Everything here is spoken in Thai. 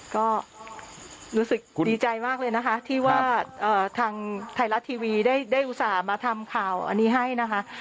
ก็รู้สึกดีใจมากเลยนะคะที่ว่าทางไทยรัฐทีวีได้อุตส่าห์มาทำข่าวอันนี้ให้นะคะ